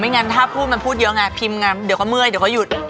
งั้นถ้าพูดมันพูดเยอะไงพิมพ์ไงเดี๋ยวก็เมื่อยเดี๋ยวก็หยุด